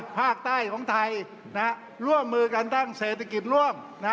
ภาคใต้ของไทยร่วมมือกันตั้งเศรษฐกิจร่วม